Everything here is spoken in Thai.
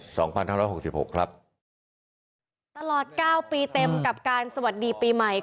สองพันห้าร้อยหกสิบหกครับตลอดเก้าปีเต็มกับการสวัสดีปีใหม่